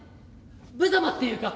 ぶざまっていうか。